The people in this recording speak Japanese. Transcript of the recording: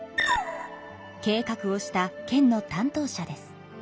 計画をした県の担当者です。